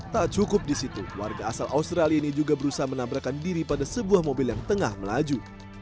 tak cukup di situ warga asal australia ini juga berusaha menabrakan diri pada sebuah mobil yang tengah melaju